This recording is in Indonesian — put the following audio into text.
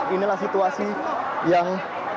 inilah situasi yang